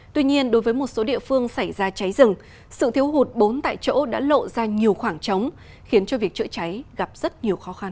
tuy nhiên đối với một số địa phương xảy ra cháy rừng sự thiếu hụt bốn tại chỗ đã lộ ra nhiều khoảng trống khiến cho việc chữa cháy gặp rất nhiều khó khăn